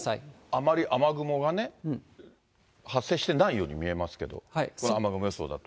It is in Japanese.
あまり雨雲がね、発生してないように見えますけど、雨雲予想だと。